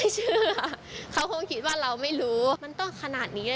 ไม่เชื่อค่ะเขาคงคิดว่าเราไม่รู้มันต้องขนาดนี้เลย